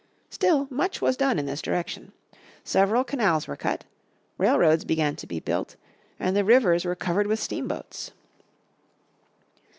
Still, much was done in this direction. Several canals were cut; railroads began to be built, and the rivers were covered with steamboats.